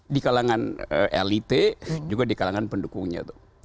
di kalangan elite juga di kalangan pendukungnya